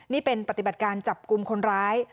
นี่เป็นปฏิบัติการจับกลุ่มคนร้าย